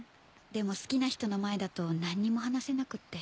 でも好きな人の前だと何にも話せなくって。